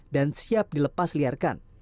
dan siap dilepas liarkan